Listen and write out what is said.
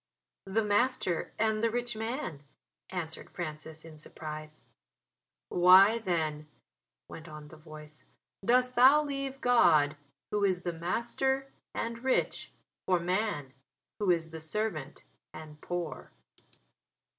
"The master and the rich man," answered Francis in surprise. "Why then," went on the voice, "dost thou leave God, Who is the Master and rich, for man, who is the servant and poor?"